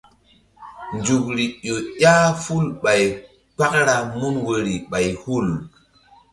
Nzukri ƴo ƴah ful ɓay kpakra mun woyri ɓay hul.